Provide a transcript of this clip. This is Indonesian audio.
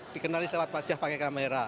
dikenali lewat wajah pakai kamera